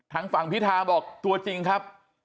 ทางฝั่งพิธาบอกตัวจริงครับ